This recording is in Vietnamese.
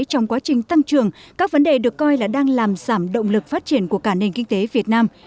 trong quá trình tăng trưởng các vấn đề được coi là đang làm giảm động lực phát triển của cả nền kinh tế việt nam